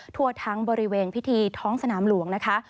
ทั่วทั้งบริเวณพิธีท้องสนามหลวงนะคะ